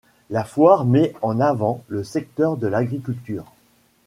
La foire met en avant le secteur de l'agriculture.